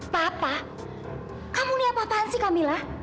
papa kamu ini apa apaan sih kamila